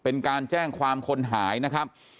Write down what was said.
เป็นการแจ้งความคนหายนะครับ